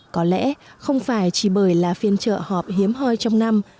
có lẽ không phải chỉ bởi là phiên trợ họp hiếm hoi trong năm